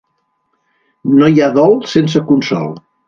No hi ha dol sense consol.